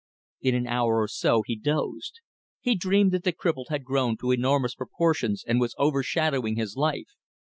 In an hour or so he dozed. He dreamed that the cripple had grown to enormous proportions and was overshadowing his life.